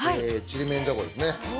ちりめんじゃこですね。